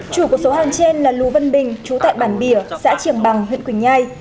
chủ của số hàng trên là lú vân bình chú tại bản bỉa xã triềng bằng huyện quỳnh nhai